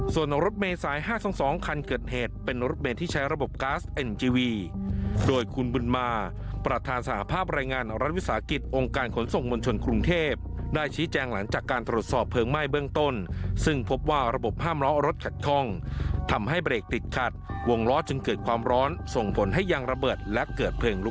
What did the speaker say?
ส่วนรถเมษาย๕๒๒คันเกิดเหตุเป็นรถเมย์ที่ใช้ระบบก๊าซเอ็นจีวีโดยคุณบุญมาประธานสหภาพรายงานของรัฐวิสาหกิจองค์การขนส่งมวลชนกรุงเทพได้ชี้แจงหลังจากการตรวจสอบเพลิงไหม้เบื้องต้นซึ่งพบว่าระบบห้ามล้อรถขัดคล่องทำให้เบรกติดขัดวงล้อจึงเกิดความร้อนส่งผลให้ยางระเบิดและเกิดเพลิง